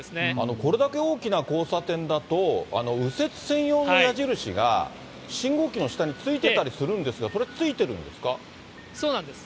これだけ大きな交差点だと、右折専用の矢印が信号機の下についてたりするんですが、それ、そうなんです。